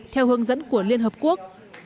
theo hướng dẫn của liên hợp quốc